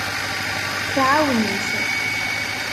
Tɛawen-it.